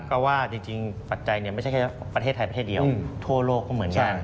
ก็ว่าจริงปัจจัยไม่ใช่แค่ประเทศไทยประเทศเดียวทั่วโลกก็เหมือนกัน